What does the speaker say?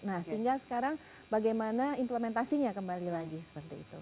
nah tinggal sekarang bagaimana implementasinya kembali lagi seperti itu